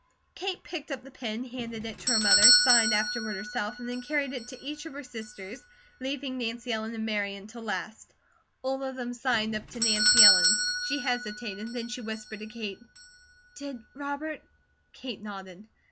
Kate picked up the pen, handed it to her mother, signed afterward herself, and then carried it to each of her sisters, leaving Nancy Ellen and Mary until last. All of them signed up to Nancy Ellen. She hesitated, and she whispered to Kate: "Did Robert ?" Kate nodded.